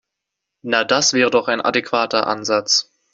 Na, das wäre doch ein adäquater Ansatz.